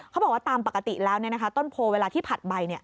เขาบอกว่าตามปกติแล้วต้นโพเวลาที่ผัดใบ